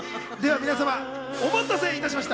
皆様、お待たせいたしました。